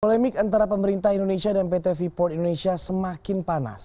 polemik antara pemerintah indonesia dan pt freeport indonesia semakin panas